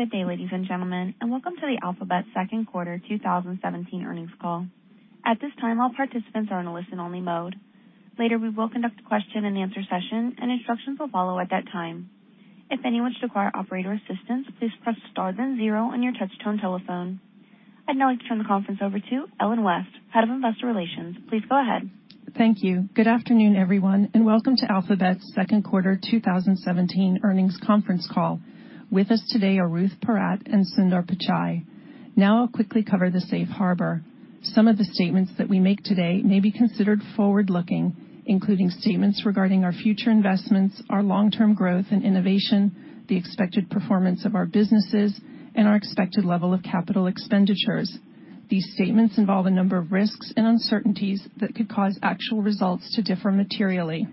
Good day, ladies and gentlemen, and welcome to the Alphabet's 2nd Quarter 2017 Earnings Call. At this time, all participants are in a listen-only mode. Later, we will conduct a question-and-answer session, and instructions will follow at that time. If anyone should require operator assistance, please press star then zero on your touch-tone telephone. I'd now like to turn the conference over to Ellen West, Head of Investor Relations. Please go ahead. Thank you. Good afternoon, everyone, and welcome to Alphabet's 2nd Quarter 2017 Earnings Conference Call. With us today are Ruth Porat and Sundar Pichai. Now, I'll quickly cover the safe harbor. Some of the statements that we make today may be considered forward-looking, including statements regarding our future investments, our long-term growth and innovation, the expected performance of our businesses, and our expected level of capital expenditures. These statements involve a number of risks and uncertainties that could cause actual results to differ materially.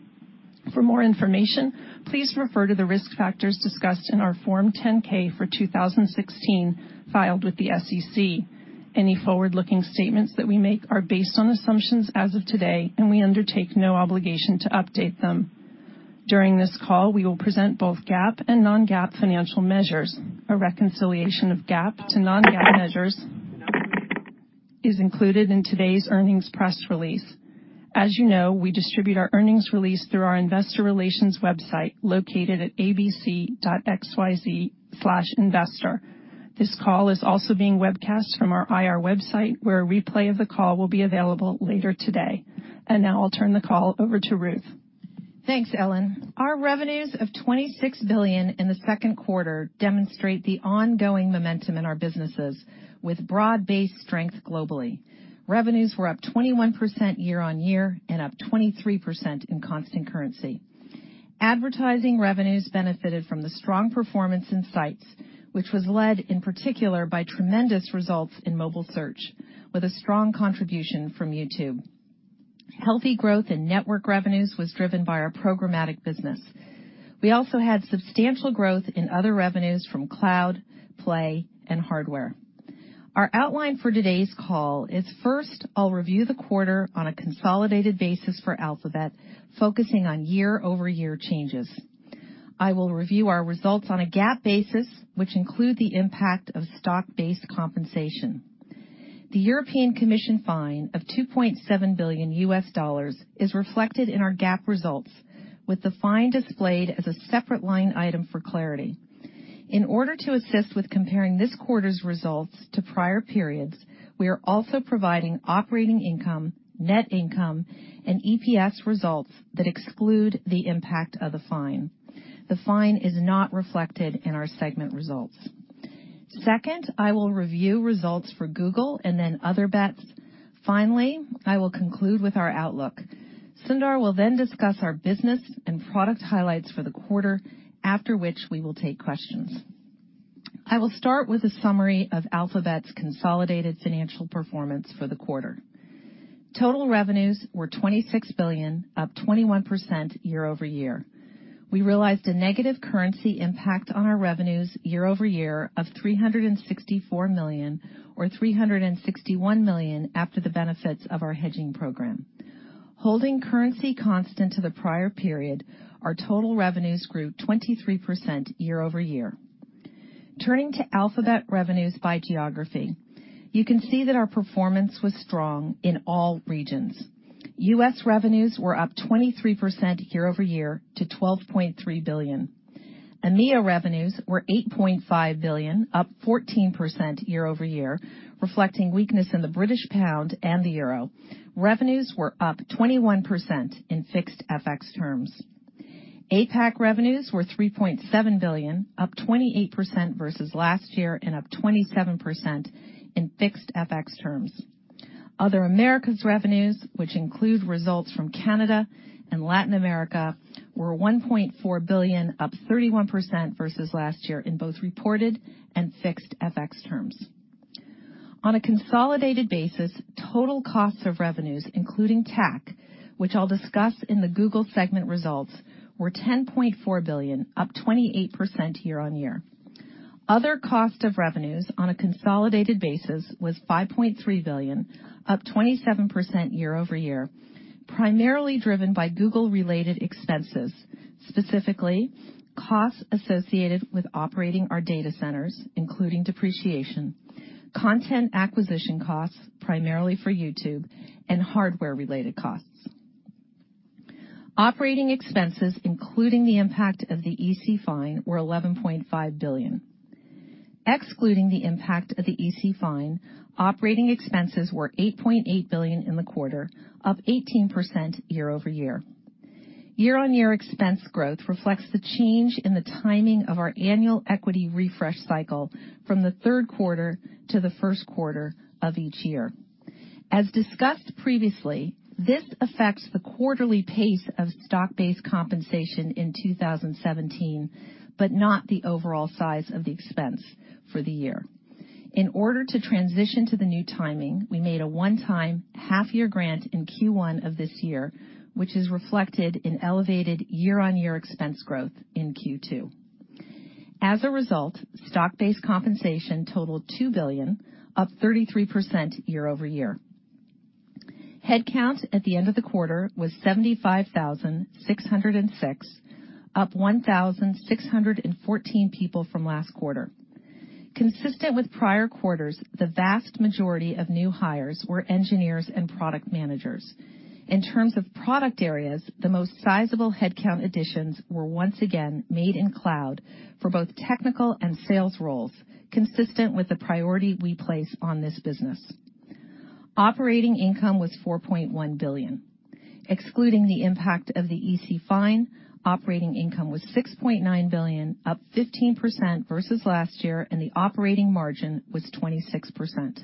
For more information, please refer to the risk factors discussed in our Form 10-K for 2016 filed with the SEC. Any forward-looking statements that we make are based on assumptions as of today, and we undertake no obligation to update them. During this call, we will present both GAAP and non-GAAP financial measures. A reconciliation of GAAP to non-GAAP measures is included in today's earnings press release. As you know, we distribute our earnings release through our Investor Relations website located at abc.xyz/investor. This call is also being webcast from our IR website, where a replay of the call will be available later today. And now, I'll turn the call over to Ruth. Thanks, Ellen. Our revenues of $26 billion in the 2nd quarter demonstrate the ongoing momentum in our businesses, with broad-based strength globally. Revenues were up 21% year-on-year and up 23% in constant currency. Advertising revenues benefited from the strong performance in Sites, which was led, in particular, by tremendous results in mobile search, with a strong contribution from YouTube. Healthy growth in Network revenues was driven by our programmatic business. We also had substantial growth in other revenues from Cloud, Play, and Hardware. Our outline for today's call is, first, I'll review the quarter on a consolidated basis for Alphabet, focusing on year-over-year changes. I will review our results on a GAAP basis, which include the impact of stock-based compensation. The European Commission fine of $2.7 billion is reflected in our GAAP results, with the fine displayed as a separate line item for clarity. In order to assist with comparing this quarter's results to prior periods, we are also providing operating income, net income, and EPS results that exclude the impact of the fine. The fine is not reflected in our segment results. Second, I will review results for Google and then Other Bets. Finally, I will conclude with our outlook. Sundar will then discuss our business and product highlights for the quarter, after which we will take questions. I will start with a summary of Alphabet's consolidated financial performance for the quarter. Total revenues were $26 billion, up 21% year-over-year. We realized a negative currency impact on our revenues year-over-year of $364 million, or $361 million after the benefits of our hedging program. Holding currency constant to the prior period, our total revenues grew 23% year-over-year. Turning to Alphabet revenues by geography, you can see that our performance was strong in all regions. U.S. revenues were up 23% year-over-year to $12.3 billion. EMEA revenues were $8.5 billion, up 14% year-over-year, reflecting weakness in the British pound and the euro. Revenues were up 21% in fixed FX terms. APAC revenues were $3.7 billion, up 28% versus last year, and up 27% in fixed FX terms. Other Americas revenues, which include results from Canada and Latin America, were $1.4 billion, up 31% versus last year in both reported and fixed FX terms. On a consolidated basis, total costs of revenues, including TAC, which I'll discuss in the Google segment results, were $10.4 billion, up 28% year-on-year. Other cost of revenues on a consolidated basis was $5.3 billion, up 27% year-over-year, primarily driven by Google-related expenses, specifically costs associated with operating our data centers, including depreciation, content acquisition costs, primarily for YouTube, and Hardware-related costs. Operating expenses, including the impact of the EC fine, were $11.5 billion. Excluding the impact of the EC fine, operating expenses were $8.8 billion in the quarter, up 18% year-over-year. Year-on-year expense growth reflects the change in the timing of our annual equity refresh cycle from the 3rd quarter to the 1st quarter of each year. As discussed previously, this affects the quarterly pace of stock-based compensation in 2017, but not the overall size of the expense for the year. In order to transition to the new timing, we made a one-time half-year grant in Q1 of this year, which is reflected in elevated year-on-year expense growth in Q2. As a result, stock-based compensation totaled $2 billion, up 33% year-over-year. Headcount at the end of the quarter was 75,606, up 1,614 people from last quarter. Consistent with prior quarters, the vast majority of new hires were engineers and product managers. In terms of product areas, the most sizable headcount additions were once again made in Cloud for both technical and sales roles, consistent with the priority we place on this business. Operating income was $4.1 billion. Excluding the impact of the EC fine, operating income was $6.9 billion, up 15% versus last year, and the operating margin was 26%.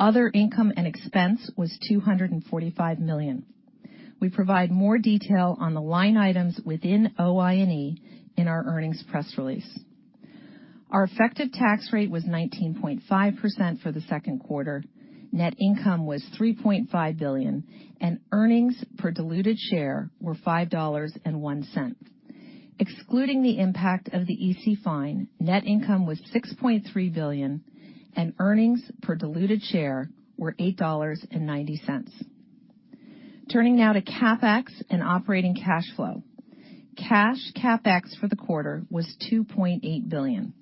Other income and expense was $245 million. We provide more detail on the line items within OI&E in our earnings press release. Our effective tax rate was 19.5% for the 2nd quarter. Net income was $3.5 billion, and earnings per diluted share were $5.01. Excluding the impact of the EC fine, net income was $6.3 billion, and earnings per diluted share were $8.90. Turning now to CapEx and operating cash flow. Cash CapEx for the quarter was $2.8 billion.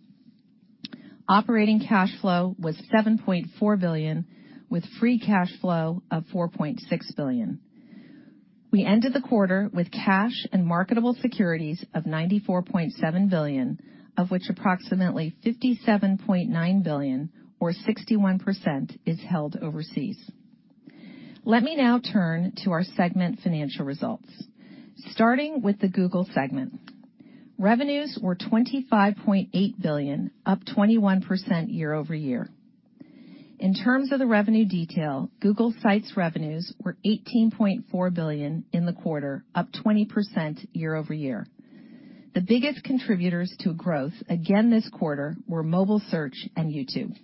Operating cash flow was $7.4 billion, with free cash flow of $4.6 billion. We ended the quarter with cash and marketable securities of $94.7 billion, of which approximately $57.9 billion, or 61%, is held overseas. Let me now turn to our segment financial results. Starting with the Google segment, revenues were $25.8 billion, up 21% year-over-year. In terms of the revenue detail, Google Sites revenues were $18.4 billion in the quarter, up 20% year-over-year. The biggest contributors to growth again this quarter were mobile search and YouTube.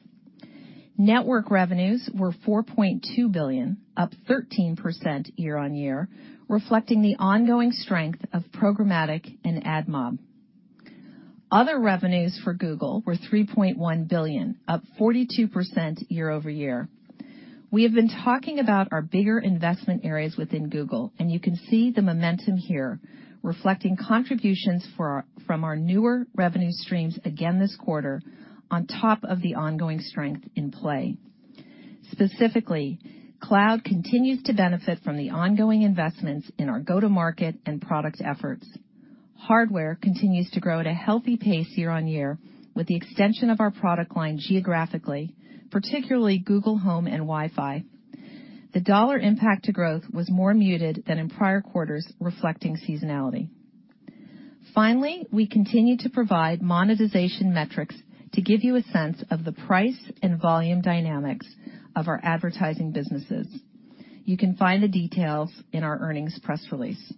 Network revenues were $4.2 billion, up 13% year-over-year, reflecting the ongoing strength of programmatic and AdMob. Other revenues for Google were $3.1 billion, up 42% year-over-year. We have been talking about our bigger investment areas within Google, and you can see the momentum here, reflecting contributions from our newer revenue streams again this quarter on top of the ongoing strength in Play. Specifically, Cloud continues to benefit from the ongoing investments in our go-to-market and product efforts. Hardware continues to grow at a healthy pace year-on-year with the extension of our product line geographically, particularly Google Home and Wifi. The dollar impact to growth was more muted than in prior quarters, reflecting seasonality. Finally, we continue to provide monetization metrics to give you a sense of the price and volume dynamics of our advertising businesses. You can find the details in our earnings press release.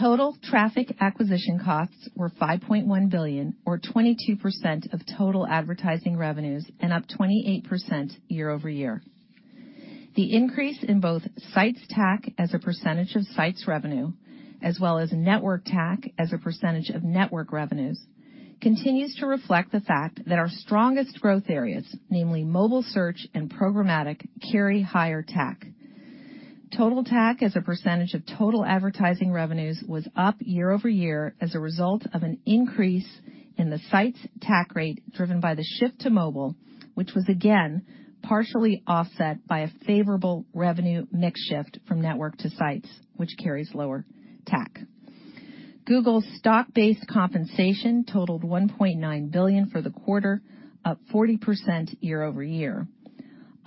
Total traffic acquisition costs were $5.1 billion, or 22% of total advertising revenues and up 28% year-over-year. The increase in both Sites TAC as a percentage of Sites revenue, as well as Network TAC as a percentage of Network revenues, continues to reflect the fact that our strongest growth areas, namely mobile search and programmatic, carry higher TAC. Total TAC as a percentage of total advertising revenues was up year-over-year as a result of an increase in the Sites TAC rate driven by the shift to mobile, which was again partially offset by a favorable revenue mix shift from Network to Sites, which carries lower TAC. Google's stock-based compensation totaled $1.9 billion for the quarter, up 40% year-over-year.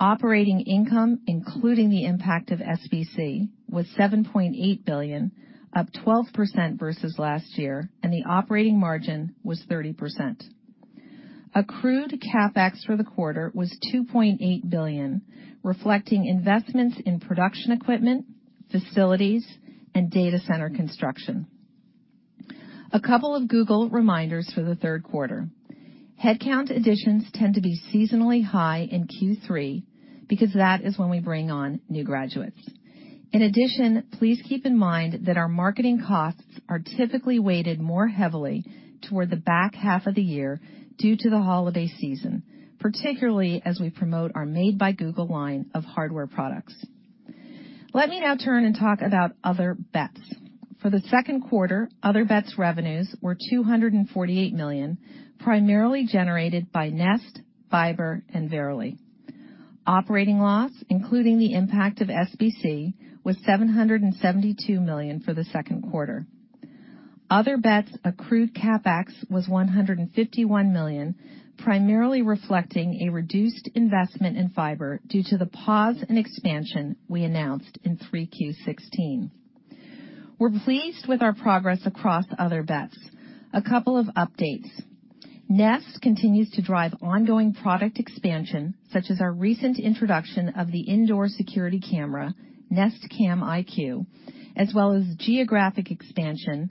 Operating income, including the impact of SBC, was $7.8 billion, up 12% versus last year, and the operating margin was 30%. Accrued CapEx for the quarter was $2.8 billion, reflecting investments in production equipment, facilities, and data center construction. A couple of Google reminders for the 3rd quarter. Headcount additions tend to be seasonally high in Q3 because that is when we bring on new graduates. In addition, please keep in mind that our marketing costs are typically weighted more heavily toward the back half of the year due to the holiday season, particularly as we promote our Made by Google line of Hardware products. Let me now turn and talk about Other Bets. For the 2nd quarter, Other Bets revenues were $248 million, primarily generated by Nest, Fiber, and Verily. Operating loss, including the impact of SBC, was $772 million for the 2nd quarter. Other Bets accrued CapEx was $151 million, primarily reflecting a reduced investment in Fiber due to the pause and expansion we announced in 3Q 2016. We're pleased with our progress across Other Bets. A couple of updates. Nest continues to drive ongoing product expansion, such as our recent introduction of the indoor security camera, Nest Cam IQ, as well as geographic expansion,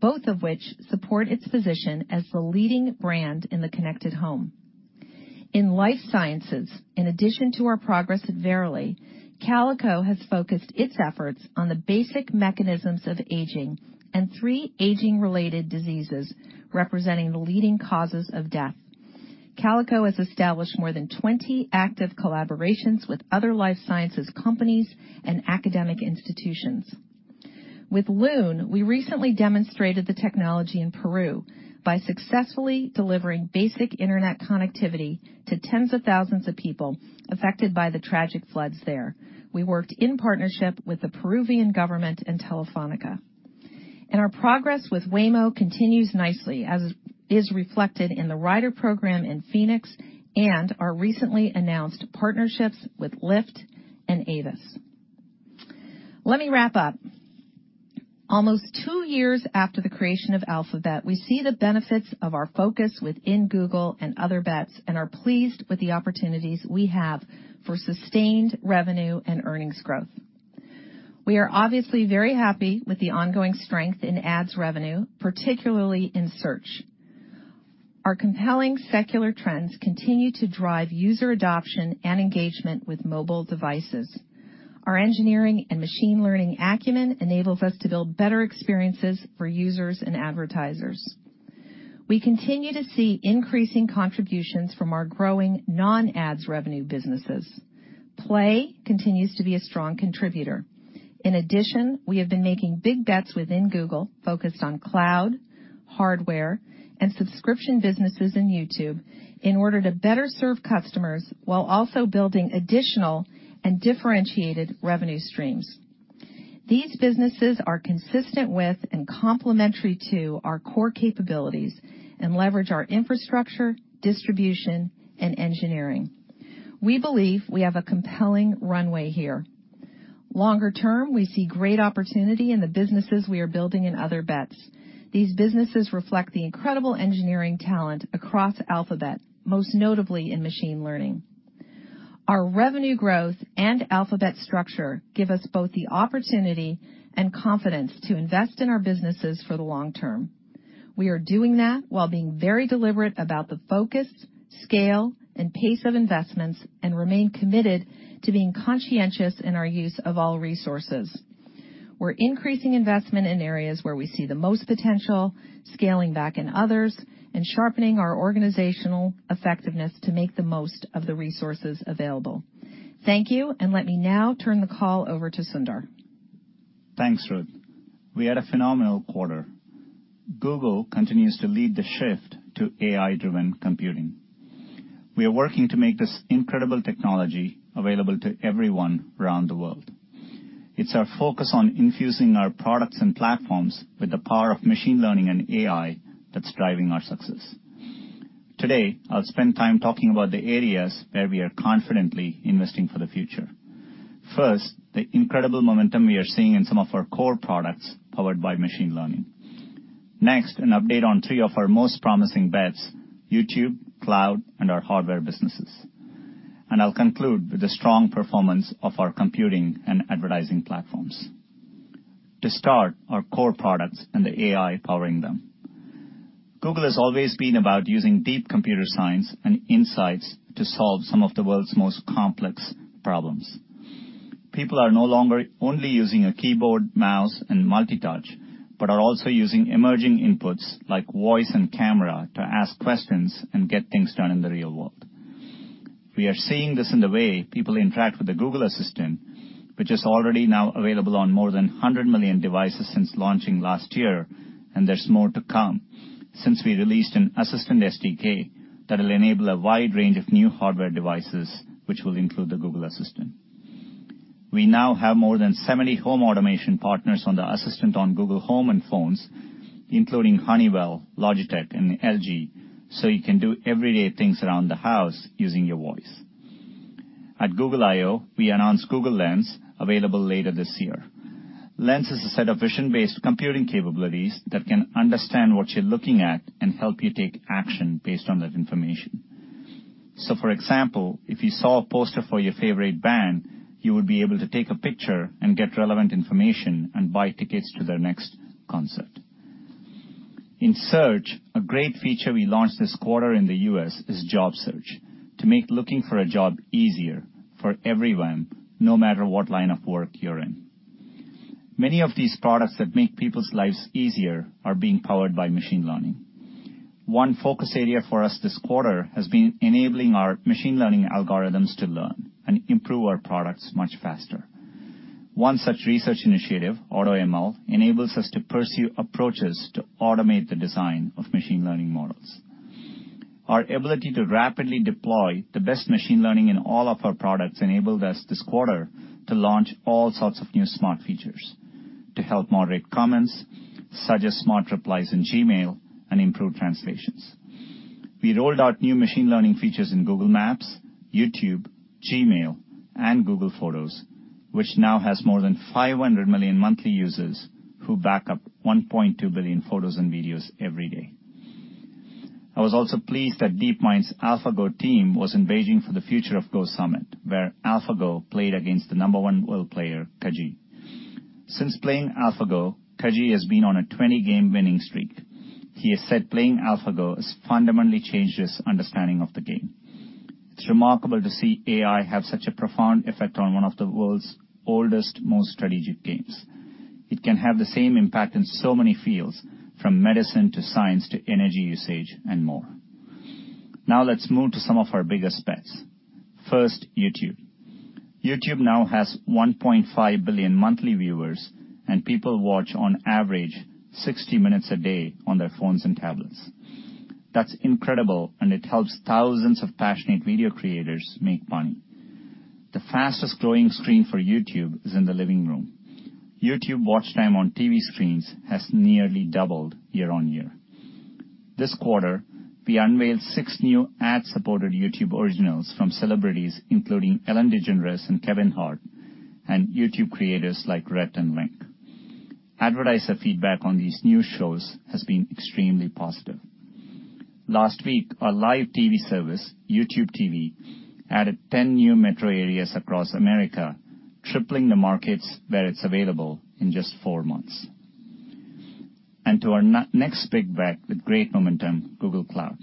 both of which support its position as the leading brand in the connected home. In life sciences, in addition to our progress at Verily, Calico has focused its efforts on the basic mechanisms of aging and three aging-related diseases representing the leading causes of death. Calico has established more than 20 active collaborations with other life sciences companies and academic institutions. With Loon, we recently demonstrated the technology in Peru by successfully delivering basic internet connectivity to tens of thousands of people affected by the tragic floods there. We worked in partnership with the Peruvian government and Telefónica, and our progress with Waymo continues nicely, as is reflected in the Rider program in Phoenix and our recently announced partnerships with Lyft and Avis. Let me wrap up. Almost two years after the creation of Alphabet, we see the benefits of our focus within Google and Other Bets and are pleased with the opportunities we have for sustained revenue and earnings growth. We are obviously very happy with the ongoing strength in ads revenue, particularly in search. Our compelling secular trends continue to drive user adoption and engagement with mobile devices. Our engineering and machine learning acumen enables us to build better experiences for users and advertisers. We continue to see increasing contributions from our growing non-ads revenue businesses. Play continues to be a strong contributor. In addition, we have been making big bets within Google focused on Cloud, Hardware, and subscription businesses in YouTube in order to better serve customers while also building additional and differentiated revenue streams. These businesses are consistent with and complementary to our core capabilities and leverage our infrastructure, distribution, and engineering. We believe we have a compelling runway here. Longer term, we see great opportunity in the businesses we are building in Other Bets. These businesses reflect the incredible engineering talent across Alphabet, most notably in machine learning. Our revenue growth and Alphabet structure give us both the opportunity and confidence to invest in our businesses for the long term. We are doing that while being very deliberate about the focus, scale, and pace of investments and remain committed to being conscientious in our use of all resources. We're increasing investment in areas where we see the most potential, scaling back in others, and sharpening our organizational effectiveness to make the most of the resources available. Thank you, and let me now turn the call over to Sundar. Thanks, Ruth. We had a phenomenal quarter. Google continues to lead the shift to AI-driven computing. We are working to make this incredible technology available to everyone around the world. It's our focus on infusing our products and platforms with the power of machine learning and AI that's driving our success. Today, I'll spend time talking about the areas where we are confidently investing for the future. First, the incredible momentum we are seeing in some of our core products powered by machine learning. Next, an update on three of our most promising bets: YouTube, Cloud, and our Hardware businesses. And I'll conclude with the strong performance of our computing and advertising platforms. To start, our core products and the AI powering them. Google has always been about using deep computer science and insights to solve some of the world's most complex problems. People are no longer only using a keyboard, mouse, and multitouch, but are also using emerging inputs like voice and camera to ask questions and get things done in the real world. We are seeing this in the way people interact with the Google Assistant, which is already now available on more than 100 million devices since launching last year, and there's more to come since we released an Assistant SDK that will enable a wide range of new hardware devices, which will include the Google Assistant. We now have more than 70 home automation partners on the Assistant on Google Home and phones, including Honeywell, Logitech, and LG, so you can do everyday things around the house using your voice. At Google I/O, we announced Google Lens, available later this year. Lens is a set of vision-based computing capabilities that can understand what you're looking at and help you take action based on that information. So, for example, if you saw a poster for your favorite band, you would be able to take a picture and get relevant information and buy tickets to their next concert. In search, a great feature we launched this quarter in the U.S. is Job Search to make looking for a job easier for everyone, no matter what line of work you're in. Many of these products that make people's lives easier are being powered by machine learning. One focus area for us this quarter has been enabling our machine learning algorithms to learn and improve our products much faster. One such research initiative, AutoML, enables us to pursue approaches to automate the design of machine learning models. Our ability to rapidly deploy the best machine learning in all of our products enabled us this quarter to launch all sorts of new smart features to help moderate comments, suggest smart replies in Gmail, and improve translations. We rolled out new machine learning features in Google Maps, YouTube, Gmail, and Google Photos, which now has more than 500 million monthly users who back up 1.2 billion photos and videos every day. I was also pleased that DeepMind's AlphaGo team was in Beijing for the Future of Go Summit, where AlphaGo played against the number one world player, Ke Jie. Since playing AlphaGo, Ke Jie has been on a 20-game winning streak. He has said playing AlphaGo has fundamentally changed his understanding of the game. It's remarkable to see AI have such a profound effect on one of the world's oldest, most strategic games. It can have the same impact in so many fields, from medicine to science to energy usage and more. Now let's move to some of our biggest bets. First, YouTube. YouTube now has 1.5 billion monthly viewers, and people watch on average 60 minutes a day on their phones and tablets. That's incredible, and it helps thousands of passionate video creators make money. The fastest growing screen for YouTube is in the living room. YouTube watch time on TV screens has nearly doubled year-on-year. This quarter, we unveiled six new ad-supported YouTube originals from celebrities, including Ellen DeGeneres and Kevin Hart, and YouTube creators like Rhett and Link. Advertiser feedback on these new shows has been extremely positive. Last week, our live TV service, YouTube TV, added 10 new metro areas across America, tripling the markets where it's available in just four months. And to our next big bet with great momentum, Google Cloud.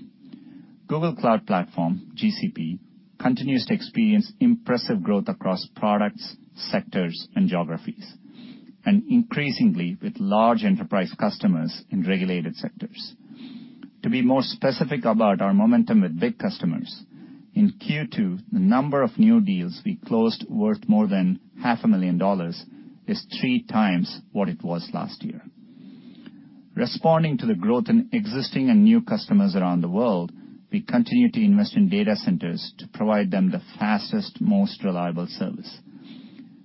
Google Cloud Platform, GCP, continues to experience impressive growth across products, sectors, and geographies, and increasingly with large enterprise customers in regulated sectors. To be more specific about our momentum with big customers, in Q2, the number of new deals we closed worth more than $500,000 is 3x what it was last year. Responding to the growth in existing and new customers around the world, we continue to invest in data centers to provide them the fastest, most reliable service.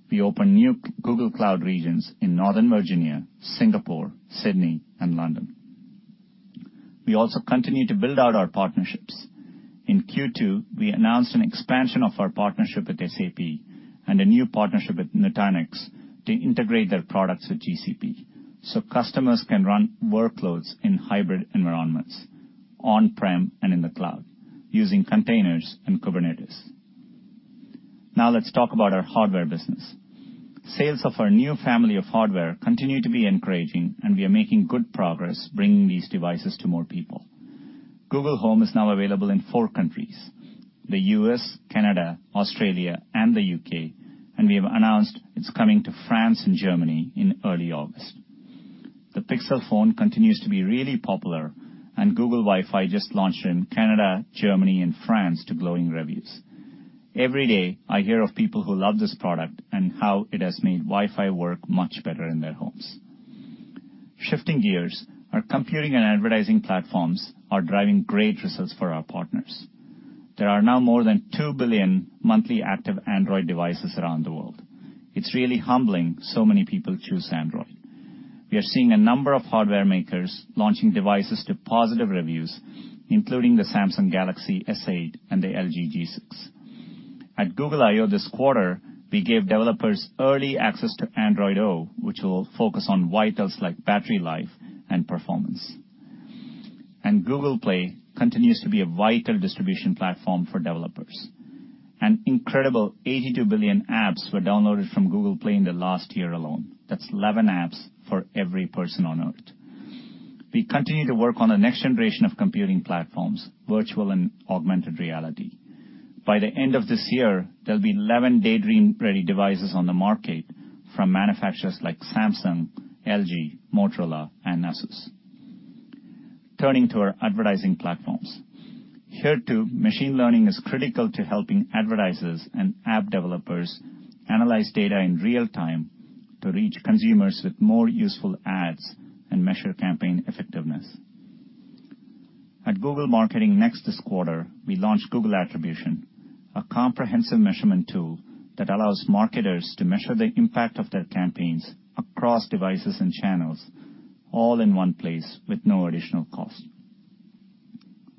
We opened new Google Cloud regions in Northern Virginia, Singapore, Sydney, and London. We also continue to build out our partnerships. In Q2, we announced an expansion of our partnership with SAP and a new partnership with Nutanix to integrate their products with GCP so customers can run workloads in hybrid environments, on-prem and in the Cloud, using containers and Kubernetes. Now let's talk about our Hardware business. Sales of our new family of Hardware continue to be encouraging, and we are making good progress bringing these devices to more people. Google Home is now available in four countries: the U.S., Canada, Australia, and the U.K., and we have announced it's coming to France and Germany in early August. The Pixel phone continues to be really popular, and Google Wifi just launched in Canada, Germany, and France to glowing reviews. Every day, I hear of people who love this product and how it has made Wifi work much better in their homes. Shifting gears, our computing and advertising platforms are driving great results for our partners. There are now more than two billion monthly active Android devices around the world. It's really humbling so many people choose Android. We are seeing a number of hardware makers launching devices to positive reviews, including the Samsung Galaxy S8 and the LG G6. At Google I/O this quarter, we gave developers early access to Android O, which will focus on vitals like battery life and performance. Google Play continues to be a vital distribution platform for developers. An incredible 82 billion apps were downloaded from Google Play in the last year alone. That's 11 apps for every person on earth. We continue to work on the next generation of computing platforms, virtual and augmented reality. By the end of this year, there'll be 11 Daydream-ready devices on the market from manufacturers like Samsung, LG, Motorola, and Asus. Turning to our advertising platforms. Here too, machine learning is critical to helping advertisers and app developers analyze data in real time to reach consumers with more useful ads and measure campaign effectiveness. At Google Marketing Next this quarter, we launched Google Attribution, a comprehensive measurement tool that allows marketers to measure the impact of their campaigns across devices and channels, all in one place with no additional cost.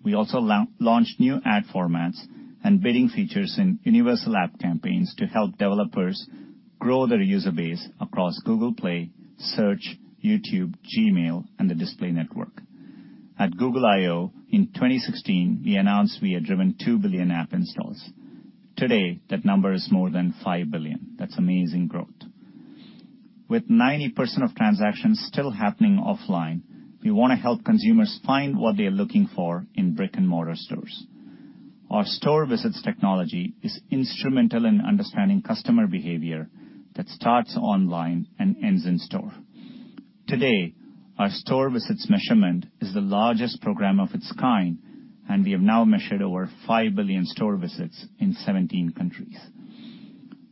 We also launched new ad formats and bidding features in Universal App Campaigns to help developers grow their user base across Google Play, Search, YouTube, Gmail, and the Display Network. At Google I/O in 2016, we announced we had driven 2 billion app installs. Today, that number is more than 5 billion. That's amazing growth. With 90% of transactions still happening offline, we want to help consumers find what they are looking for in brick-and-mortar stores. Our Store Visits technology is instrumental in understanding customer behavior that starts online and ends in store. Today, our Store Visits measurement is the largest program of its kind, and we have now measured over 5 billion Store Visits in 17 countries.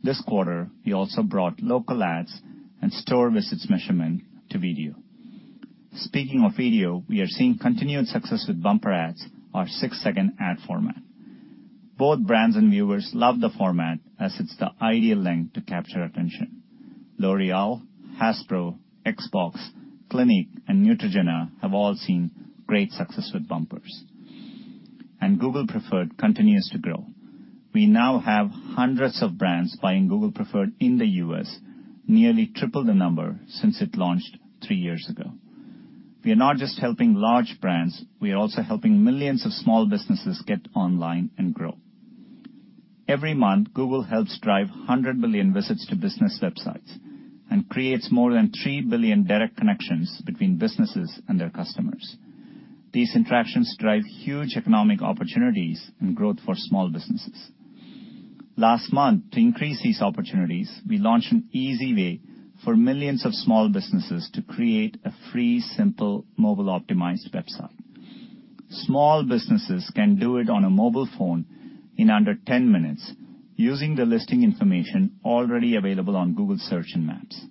This quarter, we also brought Local Ads and Store Visits measurement to video. Speaking of video, we are seeing continued success with bumper ads, our six-second ad format. Both brands and viewers love the format as it's the ideal length to capture attention. L'Oréal, Hasbro, Xbox, Clinique, and Neutrogena have all seen great success with bumpers. And Google Preferred continues to grow. We now have hundreds of brands buying Google Preferred in the U.S., nearly tripled the number since it launched three years ago. We are not just helping large brands. We are also helping millions of small businesses get online and grow. Every month, Google helps drive 100 billion visits to business websites and creates more than 3 billion direct connections between businesses and their customers. These interactions drive huge economic opportunities and growth for small businesses. Last month, to increase these opportunities, we launched an easy way for millions of small businesses to create a free, simple, mobile-optimized website. Small businesses can do it on a mobile phone in under 10 minutes using the listing information already available on Google Search and Maps.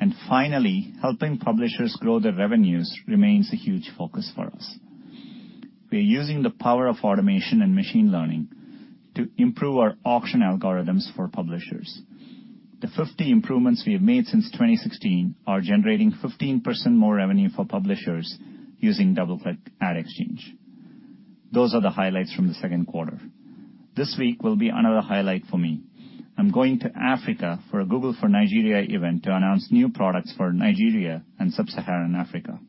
And finally, helping publishers grow their revenues remains a huge focus for us. We are using the power of automation and machine learning to improve our auction algorithms for publishers. The 50 improvements we have made since 2016 are generating 15% more revenue for publishers using DoubleClick Ad Exchange. Those are the highlights from the 2nd quarter. This week will be another highlight for me. I'm going to Africa for a Google for Nigeria event to announce new products for Nigeria and Sub-Saharan Africa.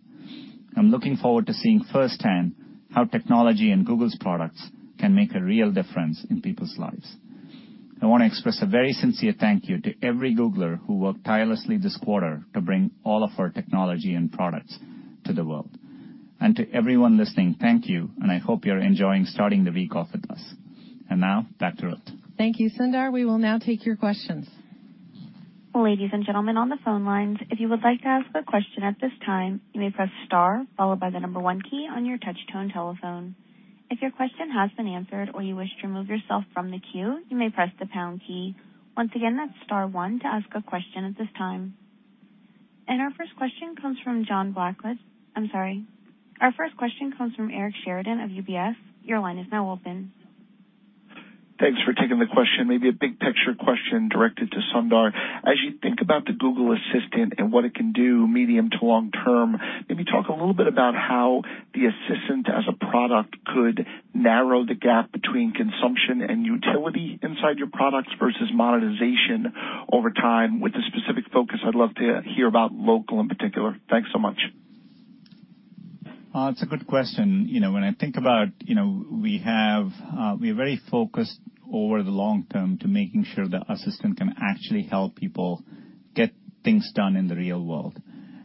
I'm looking forward to seeing firsthand how technology and Google's products can make a real difference in people's lives. I want to express a very sincere thank you to every Googler who worked tirelessly this quarter to bring all of our technology and products to the world. And to everyone listening, thank you, and I hope you're enjoying starting the week off with us. And now, back to Ruth. Thank you, Sundar. We will now take your questions. Ladies and gentlemen on the phone lines, if you would like to ask a question at this time, you may press star followed by the number one key on your touch-tone telephone. If your question has been answered or you wish to remove yourself from the queue, you may press the pound key. Once again, that's star one to ask a question at this time. Our first question comes from John Blackledge. I'm sorry. Our first question comes from Eric Sheridan of UBS. Your line is now open. Thanks for taking the question. Maybe a big picture question directed to Sundar. As you think about the Google Assistant and what it can do medium to long term, maybe talk a little bit about how the Assistant as a product could narrow the gap between consumption and utility inside your products versus monetization over time with a specific focus. I'd love to hear about local in particular. Thanks so much. It's a good question. When I think about, we are very focused over the long term to making sure the Assistant can actually help people get things done in the real world.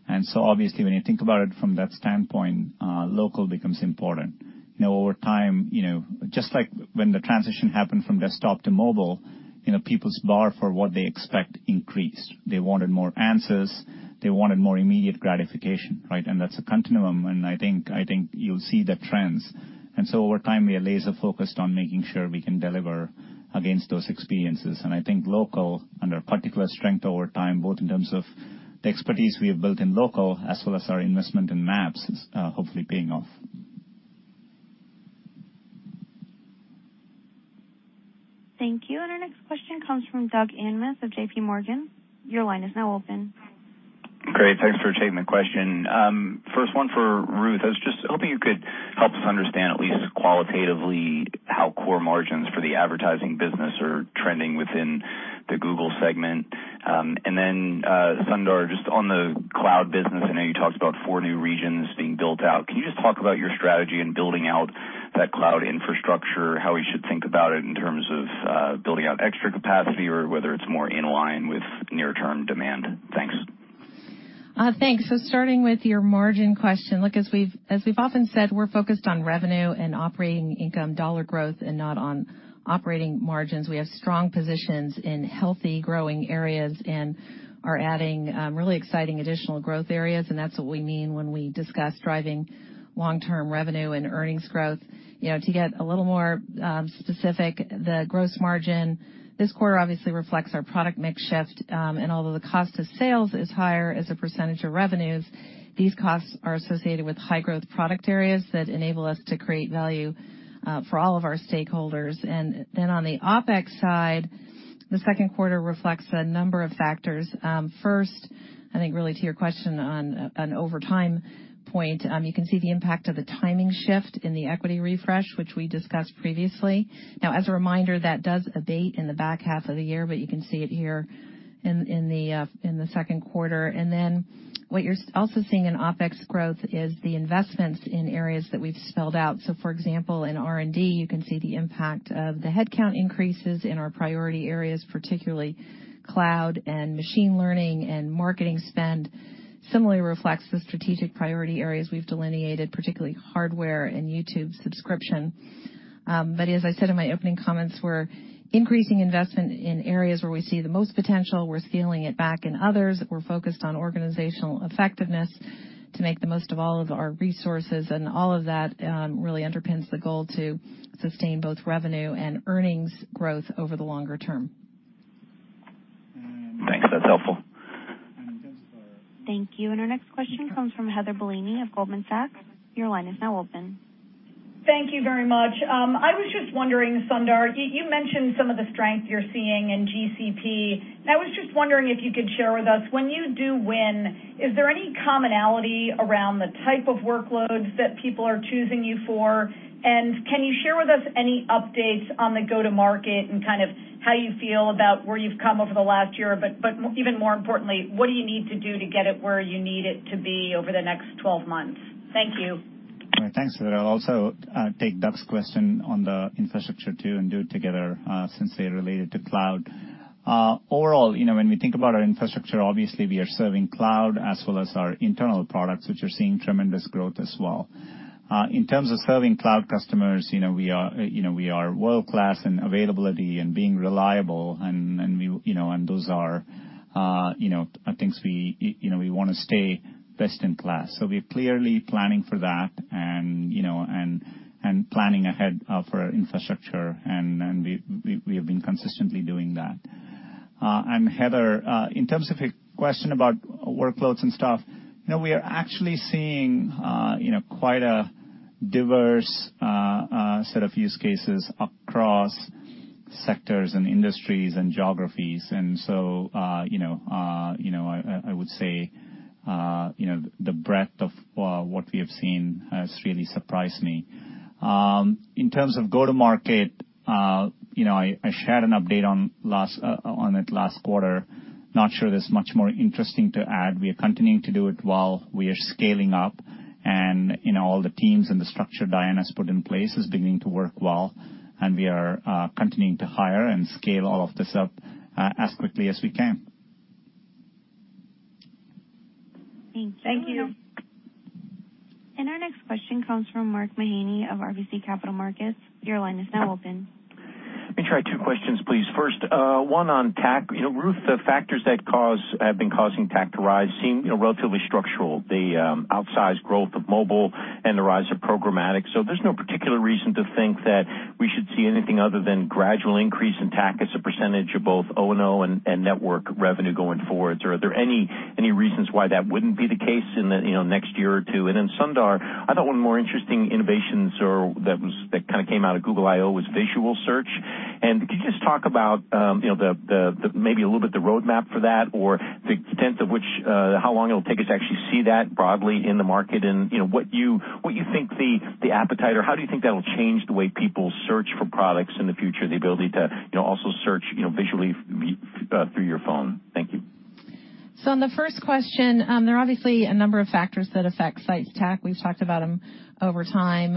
And so obviously, when you think about it from that standpoint, local becomes important. Over time, just like when the transition happened from desktop to mobile, people's bar for what they expect increased. They wanted more answers. They wanted more immediate gratification, right? And that's a continuum. And I think you'll see the trends. And so over time, we are laser-focused on making sure we can deliver against those experiences. And I think local, under particular strength over time, both in terms of the expertise we have built in local as well as our investment in maps, is hopefully paying off. Thank you. And our next question comes from Doug Anmuth of JPMorgan. Your line is now open. Great. Thanks for taking the question. First one for Ruth. I was just hoping you could help us understand at least qualitatively how core margins for the advertising business are trending within the Google segment. And then Sundar, just on the Cloud business, I know you talked about four new regions being built out. Can you just talk about your strategy in building out that Cloud infrastructure, how we should think about it in terms of building out extra capacity or whether it's more in line with near-term demand? Thanks. Thanks. So starting with your margin question, look, as we've often said, we're focused on revenue and operating income dollar growth and not on operating margins. We have strong positions in healthy growing areas and are adding really exciting additional growth areas. And that's what we mean when we discuss driving long-term revenue and earnings growth. To get a little more specific, the gross margin this quarter obviously reflects our product mix shift. And although the cost of sales is higher as a percentage of revenues, these costs are associated with high-growth product areas that enable us to create value for all of our stakeholders. And then on the OpEx side, the 2nd quarter reflects a number of factors. First, I think really to your question on an overtime point, you can see the impact of the timing shift in the equity refresh, which we discussed previously. Now, as a reminder, that does abate in the back half of the year, but you can see it here in the 2nd quarter. And then what you're also seeing in OpEx growth is the investments in areas that we've spelled out. So for example, in R&D, you can see the impact of the headcount increases in our priority areas, particularly Cloud and machine learning and marketing spend. Similarly reflects the strategic priority areas we've delineated, particularly Hardware and YouTube subscription. But as I said in my opening comments, we're increasing investment in areas where we see the most potential. We're scaling it back in others. We're focused on organizational effectiveness to make the most of all of our resources. And all of that really underpins the goal to sustain both revenue and earnings growth over the longer term. Thanks. That's helpful. Thank you. And our next question comes from Heather Bellini of Goldman Sachs. Your line is now open. Thank you very much. I was just wondering, Sundar, you mentioned some of the strength you're seeing in GCP. I was just wondering if you could share with us, when you do win, is there any commonality around the type of workloads that people are choosing you for? And can you share with us any updates on the go-to-market and kind of how you feel about where you've come over the last year? But even more importantly, what do you need to do to get it where you need it to be over the next 12 months? Thank you. Thanks, Sarah. I'll also take Doug's question on the infrastructure too and do it together since they're related to Cloud. Overall, when we think about our infrastructure, obviously we are serving Cloud as well as our internal products, which are seeing tremendous growth as well. In terms of serving Cloud customers, we are world-class in availability and being reliable. Those are things we want to stay best in class. So we're clearly planning for that and planning ahead for our infrastructure. And we have been consistently doing that. And Heather, in terms of your question about workloads and stuff, we are actually seeing quite a diverse set of use cases across sectors and industries and geographies. And so I would say the breadth of what we have seen has really surprised me. In terms of go-to-market, I shared an update on it last quarter. Not sure there's much more interesting to add. We are continuing to do it while we are scaling up. And all the teams and the structure Diane has put in place is beginning to work well. And we are continuing to hire and scale all of this up as quickly as we can. Thank you. Thank you. Our next question comes from Mark Mahaney of RBC Capital Markets. Your line is now open. Let me try two questions, please. First, one on TAC. Ruth, the factors that have been causing TAC to rise seem relatively structural. The outsized growth of mobile and the rise of programmatic. So there's no particular reason to think that we should see anything other than gradual increase in TAC as a percentage of both O&O and Network revenue going forward. So are there any reasons why that wouldn't be the case in the next year or two? And then Sundar, I thought one of the more interesting innovations that kind of came out of Google I/O was visual search. Could you just talk about maybe a little bit the roadmap for that or the extent of how long it'll take us to actually see that broadly in the market and what you think the appetite or how do you think that'll change the way people search for products in the future, the ability to also search visually through your phone? Thank you. On the first question, there are obviously a number of factors that affect TAC. We've talked about them over time.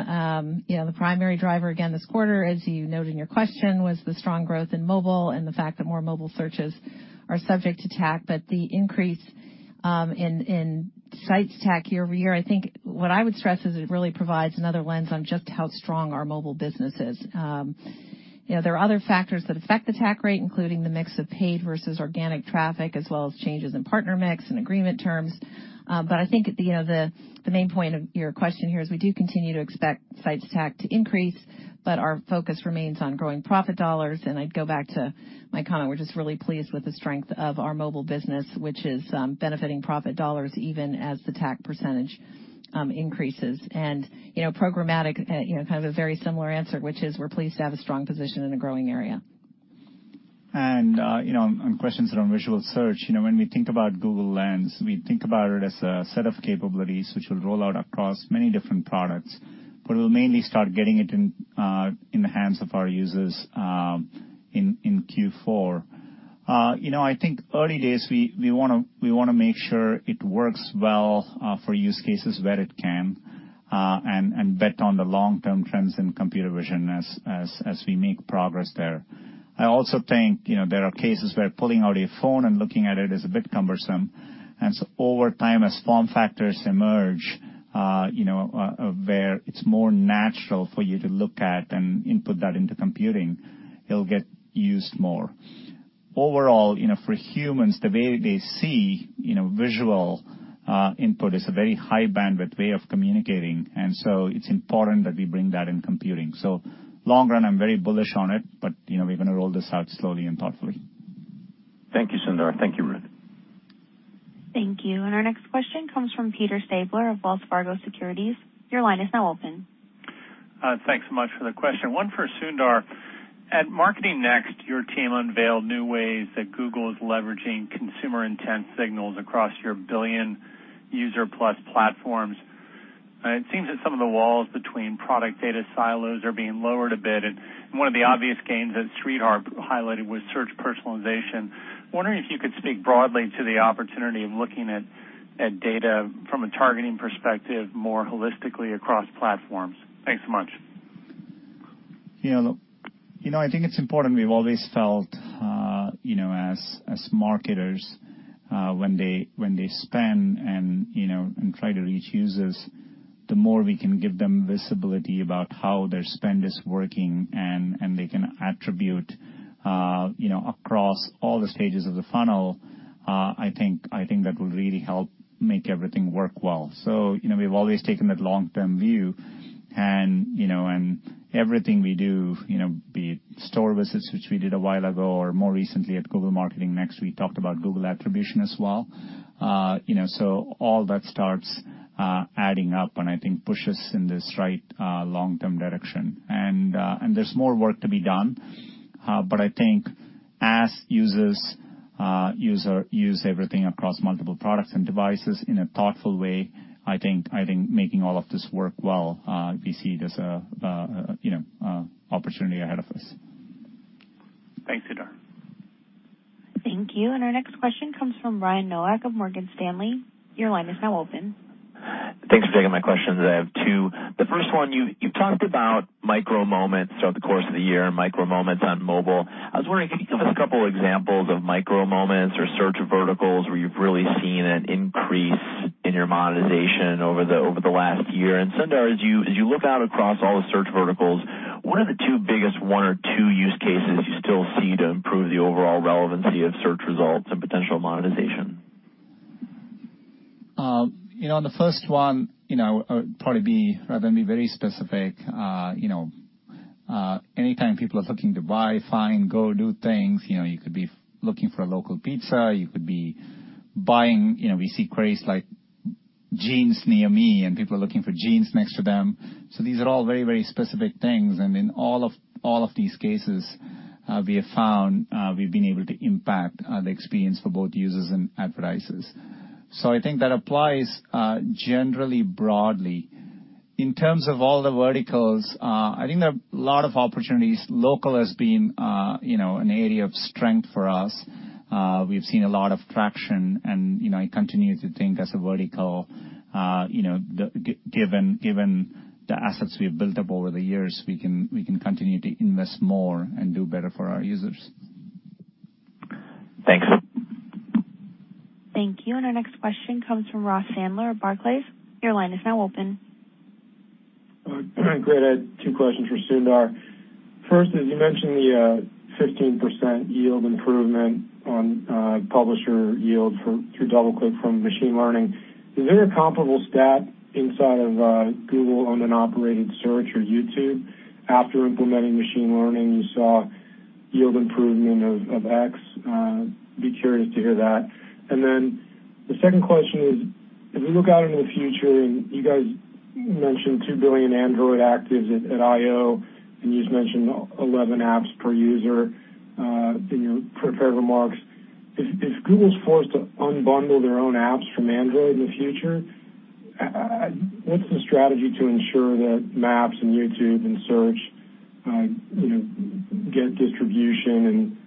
The primary driver again this quarter, as you noted in your question, was the strong growth in mobile and the fact that more mobile searches are subject to TAC. But the increase in TAC year-over-year, I think what I would stress is it really provides another lens on just how strong our mobile business is. There are other factors that affect the TAC rate, including the mix of paid versus organic traffic as well as changes in partner mix and agreement terms. But I think the main point of your question here is we do continue to expect site TAC to increase, but our focus remains on growing profit dollars. And I'd go back to my comment. We're just really pleased with the strength of our mobile business, which is benefiting profit dollars even as the TAC percentage increases. And programmatic, kind of a very similar answer, which is we're pleased to have a strong position in a growing area. And on questions around visual search, when we think about Google Lens, we think about it as a set of capabilities which will roll out across many different products, but we'll mainly start getting it in the hands of our users in Q4. I think early days, we want to make sure it works well for use cases where it can and bet on the long-term trends in computer vision as we make progress there. I also think there are cases where pulling out a phone and looking at it is a bit cumbersome. And so over time, as form factors emerge where it's more natural for you to look at and input that into computing, it'll get used more. Overall, for humans, the way they see visual input is a very high-bandwidth way of communicating. And so it's important that we bring that in computing. So long run, I'm very bullish on it, but we're going to roll this out slowly and thoughtfully. Thank you, Sundar. Thank you, Ruth. Thank you. And our next question comes from Peter Stabler of Wells Fargo Securities. Your line is now open. Thanks so much for the question. One for Sundar. At Marketing Next, your team unveiled new ways that Google is leveraging consumer-intent signals across your billion-user-plus platforms. It seems that some of the walls between product data silos are being lowered a bit, and one of the obvious gains that Sridhar highlighted was search personalization. I'm wondering if you could speak broadly to the opportunity of looking at data from a targeting perspective more holistically across platforms. Thanks so much. Yeah. Look, I think it's important we've always felt as marketers, when they spend and try to reach users, the more we can give them visibility about how their spend is working and they can attribute across all the stages of the funnel, I think that will really help make everything work well, so we've always taken that long-term view. Everything we do, be it Store Visits, which we did a while ago, or more recently at Google Marketing Next, we talked about Google Attribution as well. All that starts adding up and I think pushes in this right long-term direction. There's more work to be done. I think as users use everything across multiple products and devices in a thoughtful way, I think making all of this work well, we see it as an opportunity ahead of us. Thanks, Sundar. Thank you. Our next question comes from Brian Nowak of Morgan Stanley. Your line is now open. Thanks for taking my questions. I have two. The first one, you've talked about micro-moments throughout the course of the year and micro-moments on mobile. I was wondering, could you give us a couple of examples of micro-moments or search verticals where you've really seen an increase in your monetization over the last year? And Sundar, as you look out across all the search verticals, what are the two biggest one or two use cases you still see to improve the overall relevancy of search results and potential monetization? On the first one, I would probably rather not be very specific. Anytime people are looking to buy, find, go, do things, you could be looking for a local pizza. You could be buying. We see queries like jeans near me and people are looking for jeans next to them. So these are all very, very specific things. And in all of these cases, we have found we've been able to impact the experience for both users and advertisers. So I think that applies generally broadly. In terms of all the verticals, I think there are a lot of opportunities. Local has been an area of strength for us. We've seen a lot of traction. And I continue to think as a vertical, given the assets we've built up over the years, we can continue to invest more and do better for our users. Thanks. Thank you. And our next question comes from Ross Sandler of Barclays. Your line is now open. Great. I had two questions for Sundar. First, as you mentioned, the 15% yield improvement on publisher yield through DoubleClick from machine learning. Is there a comparable stat inside of Google-owned and operated search or YouTube? After implementing machine learning, you saw yield improvement of X. Be curious to hear that. Then the second question is, if we look out into the future, and you guys mentioned 2 billion Android actives at I/O, and you just mentioned 11 apps per user in your prepared remarks. If Google's forced to unbundle their own apps from Android in the future, what's the strategy to ensure that Maps and YouTube and search get distribution and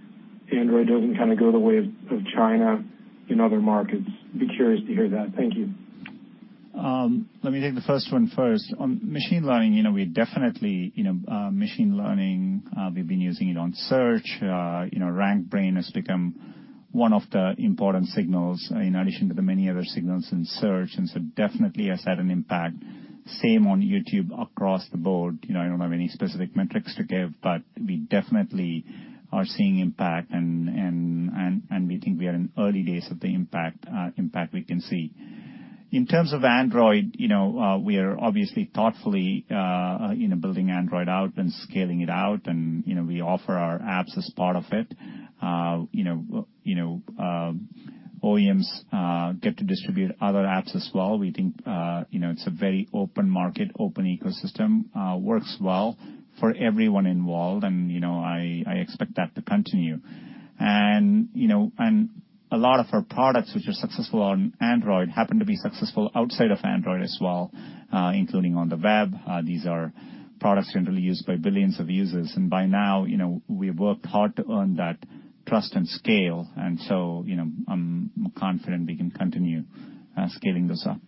Android doesn't kind of go the way of China in other markets? I'd be curious to hear that. Thank you. Let me take the first one first. On machine learning, we definitely machine learning. We've been using it on search. RankBrain has become one of the important signals in addition to the many other signals in search. And so definitely has had an impact. Same on YouTube across the board. I don't have any specific metrics to give, but we definitely are seeing impact. And we think we are in early days of the impact we can see. In terms of Android, we are obviously thoughtfully building Android out and scaling it out. And we offer our apps as part of it. OEMs get to distribute other apps as well. We think it's a very open market, open ecosystem. Works well for everyone involved. And I expect that to continue. And a lot of our products, which are successful on Android, happen to be successful outside of Android as well, including on the web. These are products generally used by billions of users. And by now, we have worked hard to earn that trust and scale. And so I'm confident we can continue scaling those up.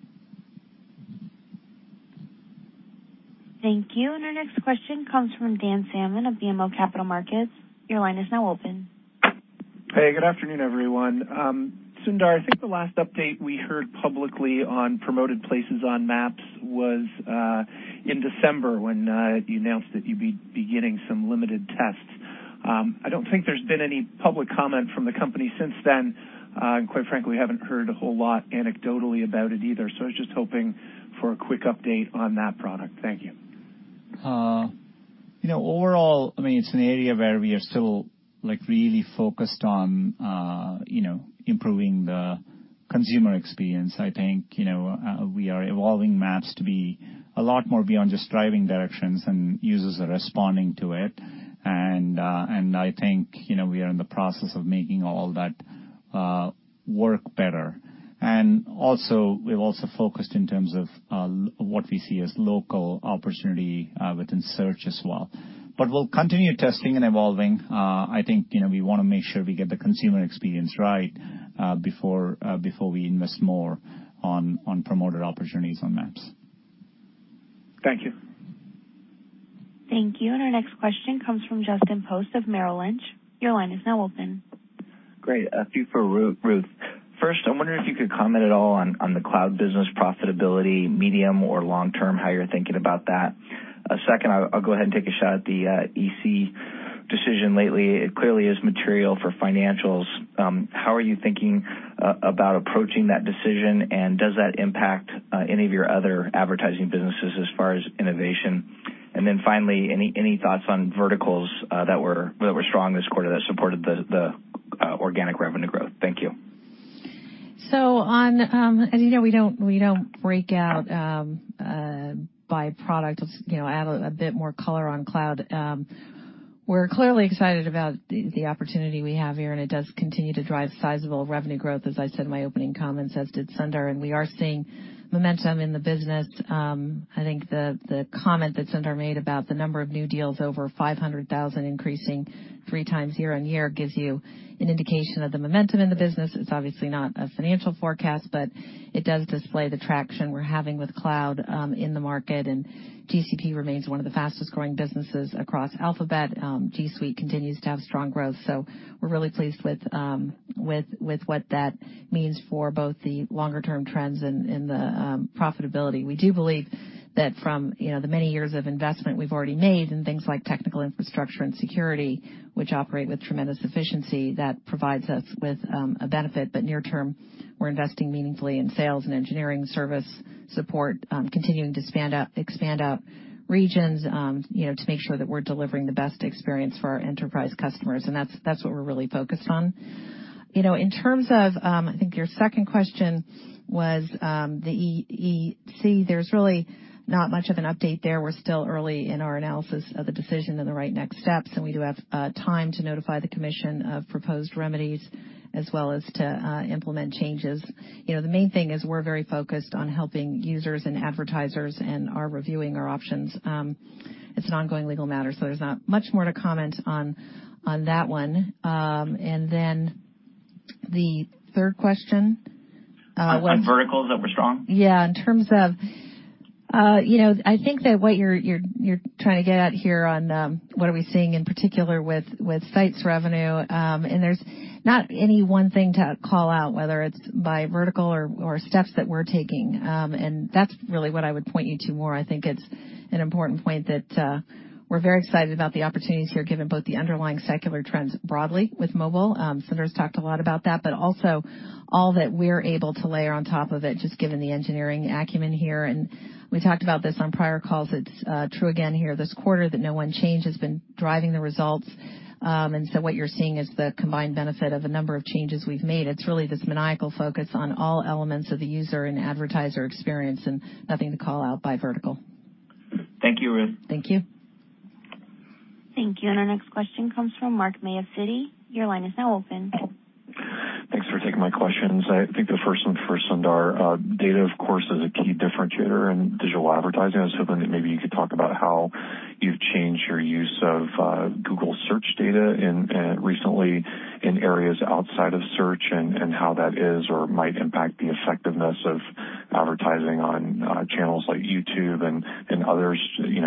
Thank you. And our next question comes from Dan Salmon of BMO Capital Markets. Your line is now open. Hey, good afternoon, everyone. Sundar, I think the last update we heard publicly on promoted places on Maps was in December when you announced that you'd be beginning some limited tests. I don't think there's been any public comment from the company since then, and quite frankly, we haven't heard a whole lot anecdotally about it either, so I was just hoping for a quick update on that product. Thank you. Overall, I mean, it's an area where we are still really focused on improving the consumer experience. I think we are evolving Maps to be a lot more beyond just driving directions and users are responding to it, and I think we are in the process of making all that work better, and we've also focused in terms of what we see as local opportunity within search as well, but we'll continue testing and evolving. I think we want to make sure we get the consumer experience right before we invest more on promoted opportunities on Maps. Thank you. Thank you. And our next question comes from Justin Post of Merrill Lynch. Your line is now open. Great. A few for Ruth. First, I'm wondering if you could comment at all on the Cloud business profitability, medium or long term, how you're thinking about that. Second, I'll go ahead and take a shot at the EC decision lately. It clearly is material for financials. How are you thinking about approaching that decision? And does that impact any of your other advertising businesses as far as innovation? And then finally, any thoughts on verticals that were strong this quarter that supported the organic revenue growth? Thank you. So as you know, we don't break out by product to add a bit more color on Cloud. We're clearly excited about the opportunity we have here. And it does continue to drive sizable revenue growth, as I said in my opening comments as did Sundar. And we are seeing momentum in the business. I think the comment that Sundar made about the number of new deals over 500,000 increasing three times year-on-year gives you an indication of the momentum in the business. It's obviously not a financial forecast, but it does display the traction we're having with Cloud in the market. And GCP remains one of the fastest growing businesses across Alphabet. G Suite continues to have strong growth. So we're really pleased with what that means for both the longer-term trends and the profitability. We do believe that from the many years of investment we've already made in things like technical infrastructure and security, which operate with tremendous efficiency, that provides us with a benefit. But near term, we're investing meaningfully in sales and engineering service support, continuing to expand our regions to make sure that we're delivering the best experience for our enterprise customers. And that's what we're really focused on. In terms of, I think your second question was the EC, there's really not much of an update there. We're still early in our analysis of the decision and the right next steps. And we do have time to notify the commission of proposed remedies as well as to implement changes. The main thing is we're very focused on helping users and advertisers and are reviewing our options. It's an ongoing legal matter. So there's not much more to comment on that one. And then the third question was? On verticals that were strong? Yeah. In terms of, I think that what you're trying to get at here on what are we seeing in particular with Sites revenue. And there's not any one thing to call out, whether it's by vertical or steps that we're taking. And that's really what I would point you to more. I think it's an important point that we're very excited about the opportunities here, given both the underlying secular trends broadly with mobile. Sundar has talked a lot about that, but also all that we're able to layer on top of it, just given the engineering acumen here. And we talked about this on prior calls. It's true again here this quarter that no one change has been driving the results. And so what you're seeing is the combined benefit of a number of changes we've made. It's really this maniacal focus on all elements of the user and advertiser experience and nothing to call out by Vertical. Thank you, Ruth. Thank you. Thank you. And our next question comes from Mark May of Citi. Your line is now open. Thanks for taking my questions. I think the first one for Sundar, data of course is a key differentiator in digital advertising. I was hoping that maybe you could talk about how you've changed your use of Google Search data recently in areas outside of search and how that is or might impact the effectiveness of advertising on channels like YouTube and others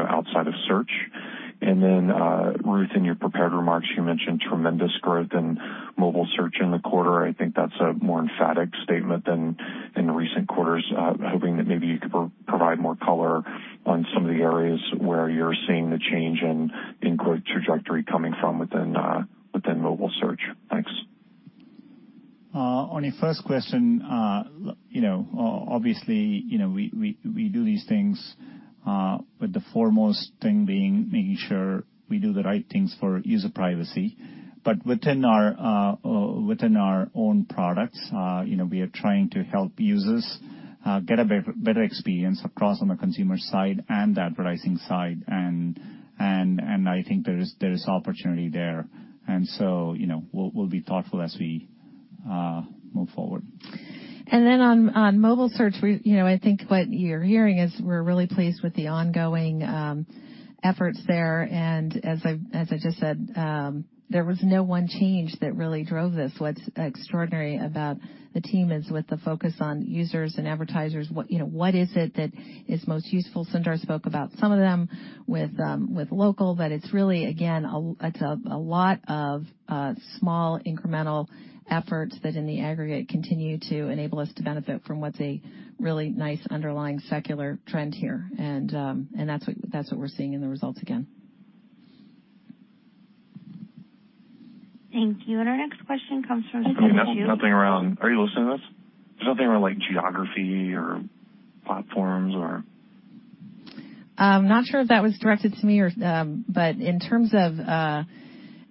outside of search. And then Ruth, in your prepared remarks, you mentioned tremendous growth in mobile search in the quarter. I think that's a more emphatic statement than in recent quarters. Hoping that maybe you could provide more color on some of the areas where you're seeing the change in inquiry trajectory coming from within mobile search. Thanks. On your first question, obviously, we do these things with the foremost thing being making sure we do the right things for user privacy. But within our own products, we are trying to help users get a better experience across on the consumer side and the advertising side. And I think there is opportunity there. And so we'll be thoughtful as we move forward. And then on mobile search, I think what you're hearing is we're really pleased with the ongoing efforts there. And as I just said, there was no one change that really drove this. What's extraordinary about the team is with the focus on users and advertisers, what is it that is most useful? Sundar spoke about some of them with local, but it's really, again, it's a lot of small incremental efforts that in the aggregate continue to enable us to benefit from what's a really nice underlying secular trend here. And that's what we're seeing in the results again. Thank you. And our next question comes from. Nothing around, are you listening to this? There's nothing around geography or platforms or. I'm not sure if that was directed to me, but in terms of geography,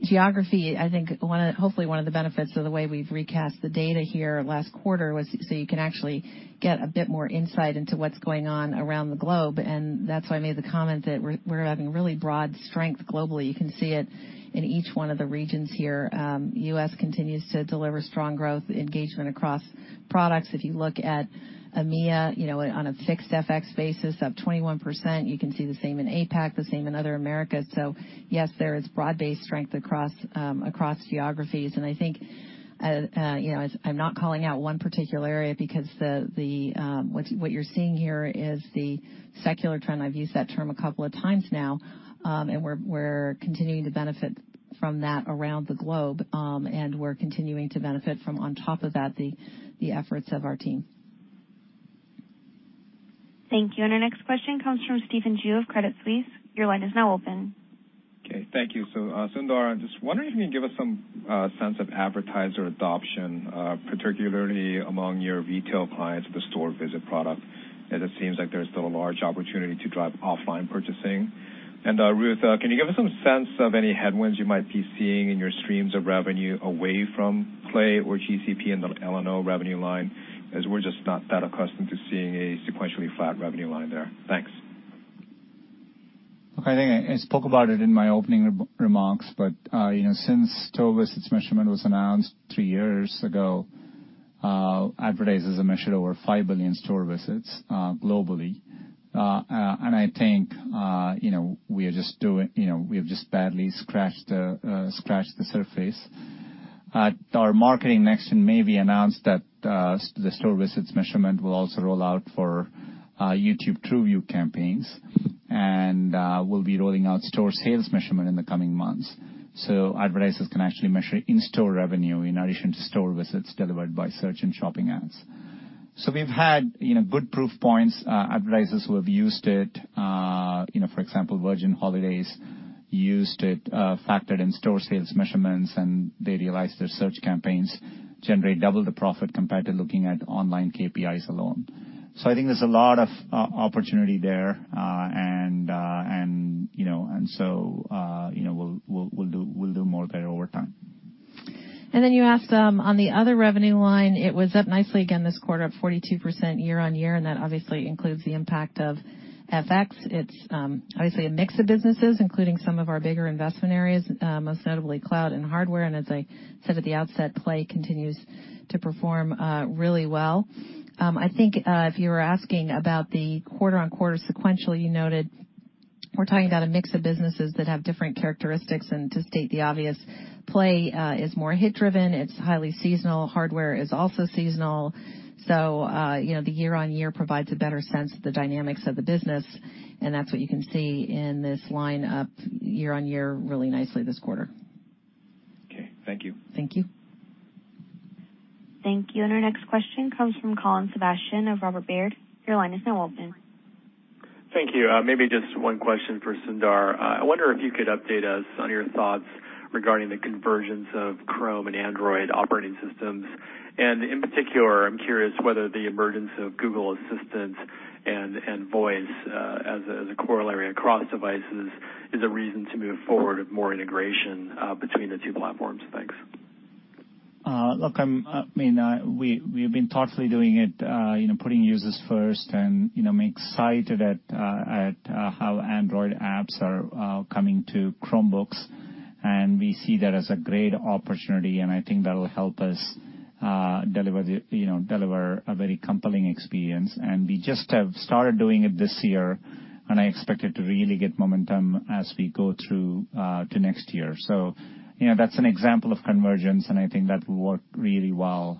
I think hopefully one of the benefits of the way we've recast the data here last quarter was so you can actually get a bit more insight into what's going on around the globe. That's why I made the comment that we're having really broad strength globally. You can see it in each one of the regions here. U.S. continues to deliver strong growth engagement across products. If you look at EMEA on a fixed FX basis of 21%, you can see the same in APAC, the same in Other Americas. So yes, there is broad-based strength across geographies. And I think I'm not calling out one particular area because what you're seeing here is the secular trend. I've used that term a couple of times now. And we're continuing to benefit from that around the globe. And we're continuing to benefit from on top of that, the efforts of our team. Thank you. And our next question comes from Stephen Ju of Credit Suisse. Your line is now open. Okay. Thank you. So Sundar, I'm just wondering if you can give us some sense of advertiser adoption, particularly among your retail clients with the store visit product, as it seems like there's still a large opportunity to drive offline purchasing. And Ruth, can you give us some sense of any headwinds you might be seeing in your streams of revenue away from Play or GCP and the Other revenue line, as we're just not that accustomed to seeing a sequentially flat revenue line there? Thanks. Look, I think I spoke about it in my opening remarks, but since Store Visits measurement was announced three years ago, advertisers have measured over 5 billion Store Visits globally. And I think we have just barely scratched the surface. At our Marketing Next in May, we announced that the Store Visits measurement will also roll out for YouTube TrueView campaigns. And we'll be rolling out Store Sales measurement in the coming months. So advertisers can actually measure in-store revenue in addition to Store Visits delivered by search and shopping ads. So we've had good proof points. Advertisers who have used it, for example, Virgin Holidays, used it, factored in Store Sales measurements, and they realized their search campaigns generate double the profit compared to looking at online KPIs alone. So I think there's a lot of opportunity there. And so we'll do more there over time. And then you asked on the other revenue line, it was up nicely again this quarter at 42% year-on-year. And that obviously includes the impact of FX. It's obviously a mix of businesses, including some of our bigger investment areas, most notably Cloud and Hardware. And as I said at the outset, Google Play continues to perform really well. I think if you were asking about the quarter-on-quarter sequential, you noted we're talking about a mix of businesses that have different characteristics. And to state the obvious, Google Play is more hit-driven. It's highly seasonal. Hardware is also seasonal. So the year-on-year provides a better sense of the dynamics of the business. And that's what you can see in this line up year-on-year really nicely this quarter. Okay. Thank you. Thank you. Thank you. And our next question comes from Colin Sebastian of Robert W. Baird. Your line is now open. Thank you. Maybe just one question for Sundar. I wonder if you could update us on your thoughts regarding the convergence of Chrome and Android operating systems. And in particular, I'm curious whether the emergence of Google Assistant and Voice as a corollary across devices is a reason to move forward with more integration between the two platforms. Thanks. Look, I mean, we've been thoughtfully doing it, putting users first. And I'm excited at how Android apps are coming to Chromebooks. And we see that as a great opportunity. And I think that'll help us deliver a very compelling experience. And we just have started doing it this year. And I expect it to really get momentum as we go through to next year. So that's an example of convergence. And I think that will work really well.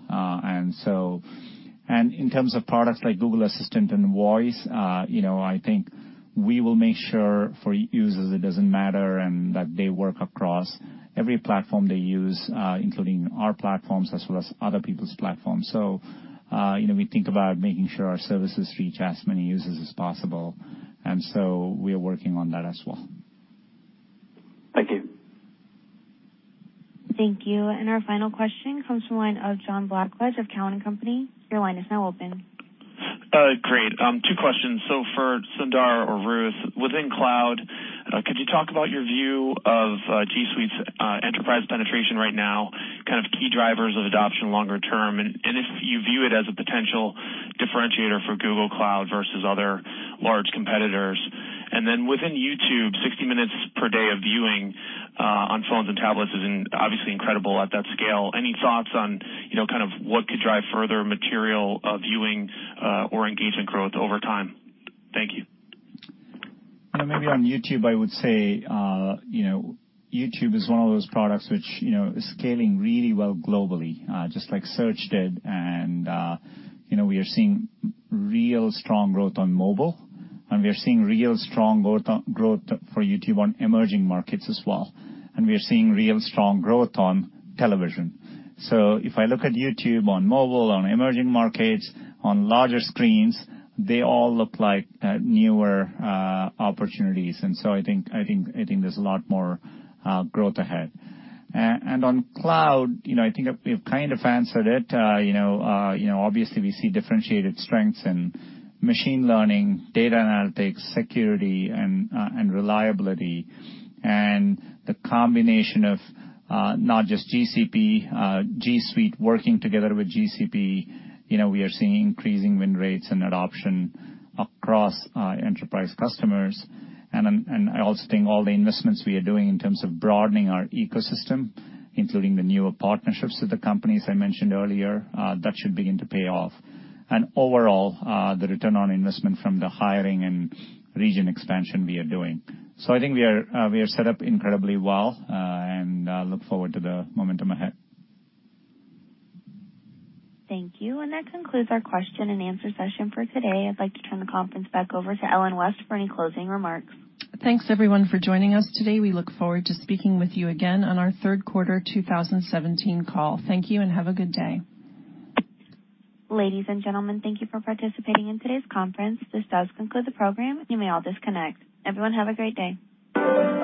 And in terms of products like Google Assistant and Voice, I think we will make sure for users it doesn't matter and that they work across every platform they use, including our platforms as well as other people's platforms. So we think about making sure our services reach as many users as possible. And so we are working on that as well. Thank you. Thank you. And our final question comes from the line of John Blackledge of Cowen and Company. Your line is now open. Great. Two questions. So for Sundar or Ruth, within Cloud, could you talk about your view of G Suite's enterprise penetration right now, kind of key drivers of adoption longer term, and if you view it as a potential differentiator for Google Cloud versus other large competitors? And then within YouTube, 60 minutes per day of viewing on phones and tablets is obviously incredible at that scale. Any thoughts on kind of what could drive further material viewing or engagement growth-over-time? Thank you. Maybe on YouTube, I would say YouTube is one of those products which is scaling really well globally, just like search did. And we are seeing real strong growth on mobile. And we are seeing real strong growth for YouTube on emerging markets as well. And we are seeing real strong growth on television. So if I look at YouTube on mobile, on emerging markets, on larger screens, they all look like newer opportunities. And so I think there's a lot more growth ahead. And on Cloud, I think we've kind of answered it. Obviously, we see differentiated strengths in machine learning, data analytics, security, and reliability. And the combination of not just GCP, G Suite working together with GCP, we are seeing increasing win rates and adoption across enterprise customers. And I also think all the investments we are doing in terms of broadening our ecosystem, including the newer partnerships with the companies I mentioned earlier, that should begin to pay off. And overall, the return on investment from the hiring and region expansion we are doing. So I think we are set up incredibly well. And I look forward to the momentum ahead. Thank you. And that concludes our question and answer session for today. I'd like to turn the conference back over to Ellen West for any closing remarks. Thanks, everyone, for joining us today. We look forward to speaking with you again on our 3rd quarter 2017 call. Thank you and have a good day. Ladies and gentlemen, thank you for participating in today's conference. This does conclude the program. You may all disconnect. Everyone, have a great day.